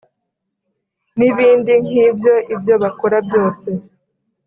n ibindi nk ibyo Ibyo bakora byose